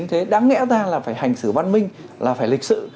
thế đáng lẽ ra là phải hành xử văn minh là phải lịch sự